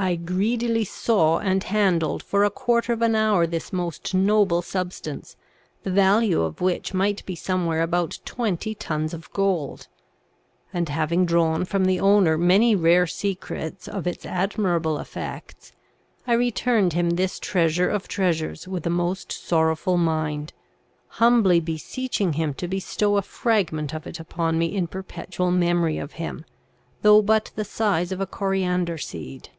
I greedily saw and handled for a quarter of an hour this most noble substance, the value of which might be somewhere about twenty tons of gold; and having drawn from the owner many rare secrets of its admirable effects, I returned him this treasure of treasures with a most sorrowful mind, humbly beseeching him to bestow a fragment of it upon me in perpetual memory of him, though but the size of a coriander seed.